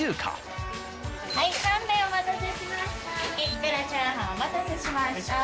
肉丼お待たせしました。